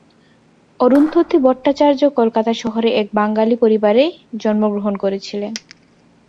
অরুন্ধতী ভট্টাচার্য কলকাতা শহরে এক বাঙালি পরিবারে জন্মগ্রহণ করেছিলেন।